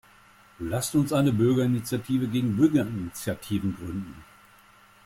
Lasst uns eine Bürgerinitiative gegen Bürgerinitiativen gründen!